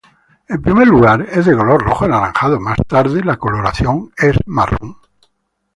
En primer lugar, es de color rojo-anaranjado, más tarde, la coloración es marrón.